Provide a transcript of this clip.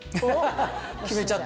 決めちゃった？